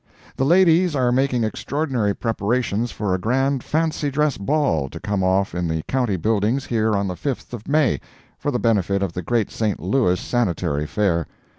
The ladies are making extraordinary preparations for a grand fancy dress ball, to come off in the county buildings here on the 5th of May, for the benefit of the great St. Louis Sanitary Fair.